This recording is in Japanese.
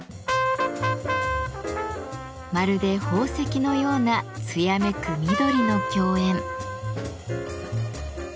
まるで宝石のような艶めく緑の競演。